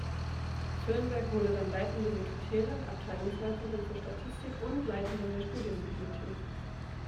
Firnberg wurde dann leitende Sekretärin, Abteilungsleiterin für Statistik und Leiterin der Studienbibliothek.